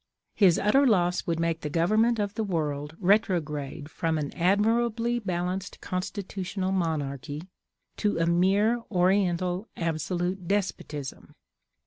His utter loss would make the government of the world retrograde from an admirably balanced constitutional monarchy to a mere Oriental absolute despotism.